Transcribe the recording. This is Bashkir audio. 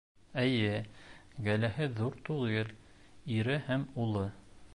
Эйе, ғаиләһе ҙур түгел: ире һәм улы